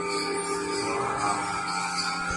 山仔後